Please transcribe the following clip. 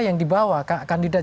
yang dibawa kandidat